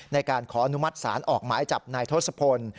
ในการขออนุมัติศาลออกหมายจับนายทศพล